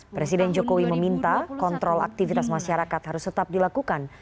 presiden jokowi meminta kontrol aktivitas masyarakat harus tetap dilakukan